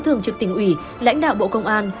thường trực tỉnh ủy lãnh đạo bộ công an